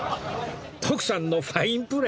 徳さんのファインプレー？